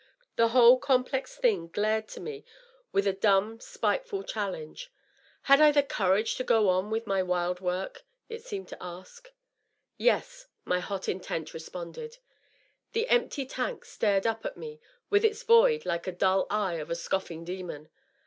The whole complex thing glared to me with a dumb, spiteful challenge. Had I the courage to go on with my wild work ? it seemed to ask. ^Yes,' my hot intent responded. The empty tank stared up at me with its void like the dull eye of a. scoffing demon.